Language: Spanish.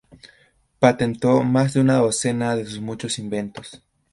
Patentó más de una docena de sus muchos inventos.